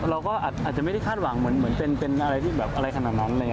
เราก็อาจจะไม่ได้คาดหวังเหมือนเป็นอะไรที่แบบอะไรขนาดนั้นอะไรอย่างนี้